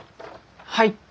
はい。